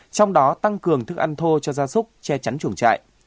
trong đó tăng cường thức ăn thô cho gia súc che chắn chuồng trại